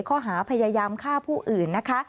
ข้อหาพยายามฆ่าผู้อื่นนะคะ